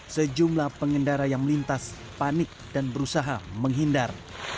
sejumlah pengendara yang melintas panik dan berusaha menghindar